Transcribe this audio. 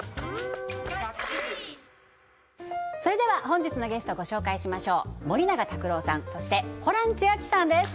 本日のゲストご紹介しましょう森永卓郎さんそしてホラン千秋さんです